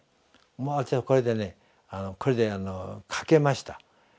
もう私はこれでねこれで賭けました。